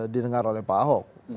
didengar oleh pak ahok